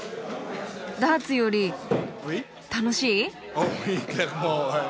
ダーツより楽しい？